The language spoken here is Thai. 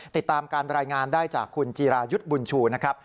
ติดตามการรายงานได้จากคุณจีรายุทธ์บุญชูนะครับ